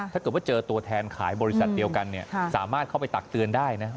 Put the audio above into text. ถ้าเกิดว่าเจอตัวแทนขายบริษัทเดียวกันสามารถเข้าไปตักเตือนได้นะ